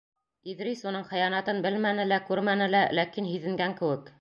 Иҙрис уның хыянатын белмәне лә, күрмәне лә, ләкин һиҙенгән кеүек.